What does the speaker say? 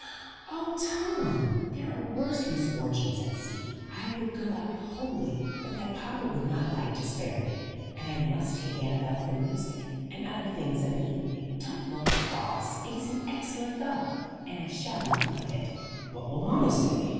"Oh, Tom! there are worse misfortunes at sea. I would go out wholly, but that papa would not like to spare me, and I must take Annabel for music and other things of an evening. Don't look cross. It is an excellent thought; and I shall not mind it." "What will mamma say?"